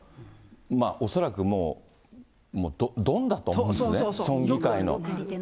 今、恐らくもう、ドンだと思うんですね、村議会の。